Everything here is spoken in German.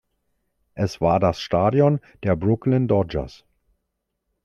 Es war das Stadion der Brooklyn Dodgers.